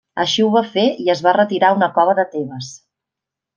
Així ho va fer i es va retirar a una cova de Tebes.